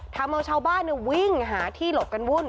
ทำเอาชาวบ้านวิ่งหาที่หลบกันวุ่น